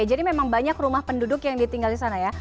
jadi memang banyak rumah penduduk yang ditinggal disana ya